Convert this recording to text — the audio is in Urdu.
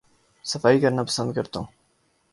صفائی کرنا پسند کرتا ہوں